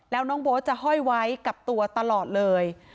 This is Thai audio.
แล้วน้องโบ๊ทจะห้อยไว้กับตัวตลอดเลย